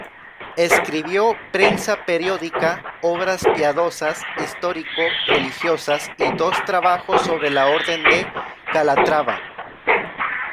Escribió prensa periódica, obras piadosas, histórico-religiosas y dos trabajos sobre la Orden de Calatrava.